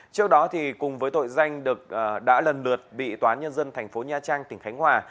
trước đó cùng với tội danh đã lần lượt bị toán nhân dân tp nha trang tỉnh khánh hòa